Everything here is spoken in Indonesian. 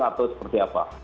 atau seperti apa